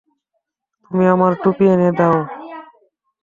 তুমি আমার টুপি এনে দাও।